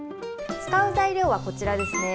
使う材料は、こちらですね。